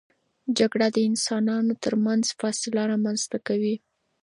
جګړه د انسانانو ترمنځ فاصله رامنځته کوي.